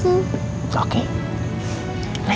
tunggu tunggu tunggu